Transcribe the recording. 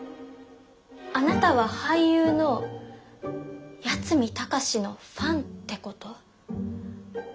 あなたは俳優の八海崇のファンってこと？